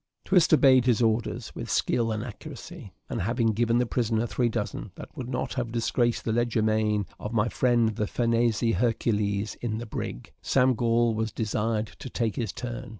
Twist obeyed his orders with skill and accuracy; and having given the prisoner three dozen, that would not have disgraced the leger de main of my friend the Farnese Hercules in the brig, Sam Gall was desired to take his turn.